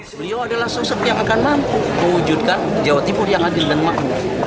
beliau adalah sosok yang akan mampu mewujudkan jawa timur yang adil dan makmur